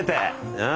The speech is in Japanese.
うん。